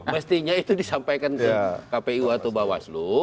mestinya itu disampaikan ke kpu atau bawaslu